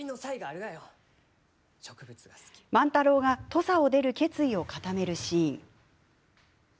万太郎が土佐を出る決意を固めるシーン。